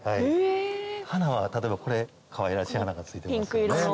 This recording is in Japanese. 花は例えばこれかわいらしい花がついてますよね。